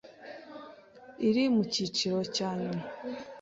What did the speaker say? iri mukicyiciro cya nyuma